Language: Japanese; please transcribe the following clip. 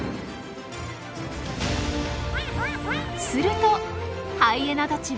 するとハイエナたちは退散。